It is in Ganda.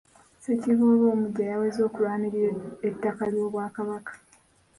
Ssekiboobo omuggya yaweze okulwanirira ettaka ly'Obwakabaka.